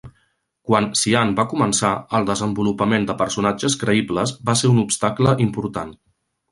Quan Cian va començar, el desenvolupament de personatges creïbles va ser un obstacle important.